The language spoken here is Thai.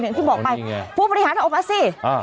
อย่างที่บอกไปผู้บริหารอบอสซี่